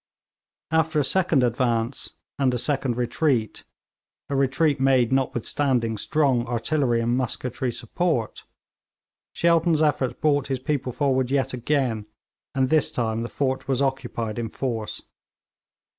After a second advance, and a second retreat a retreat made notwithstanding strong artillery and musketry support Shelton's efforts brought his people forward yet again, and this time the fort was occupied in force.